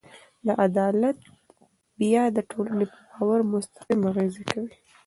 دا عدالت بیا د ټولنې پر باور مستقیم اغېز کوي.